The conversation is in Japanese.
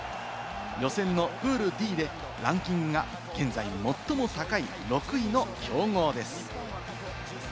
予選のプールＢでランキングが現在、最も高い６位の強豪です。